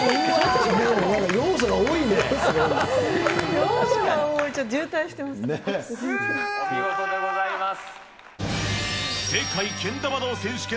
お見事でございます。